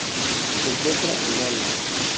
Se encuentra en Gales.